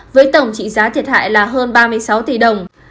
với tổng trị giá thiệt hại là hơn ba mươi sáu tỷ đồng